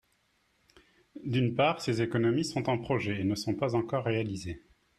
D’une part, ces économies sont en projet et ne sont pas encore réalisées.